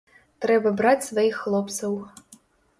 Трэба браць сваіх хлопцаў.